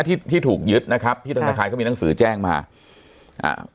ที่ที่ถูกยึดนะครับที่ธนาคารเขามีหนังสือแจ้งมาอ่า